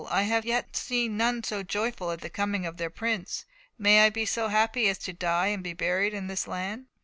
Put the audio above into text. I have yet seen none so joyful at the coming of their prince. May I be so happy as to die and be buried in this land!"